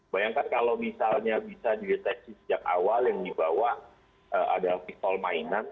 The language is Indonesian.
bayangkan kalau misalnya bisa dideteksi sejak awal yang dibawa adalah pistol mainan